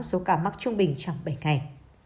số ca mắc trung bình trong bảy ngày